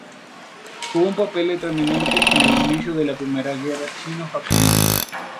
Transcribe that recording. Jugó un papel determinante en el inicio de la primera guerra chino-japonesa.